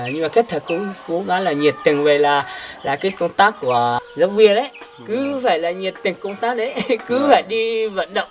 nhưng mà cách thật cũng cố gắng là nhiệt tình vậy là cái công tác của giáo viên ấy cứ phải là nhiệt tình công tác đấy cứ phải đi vận động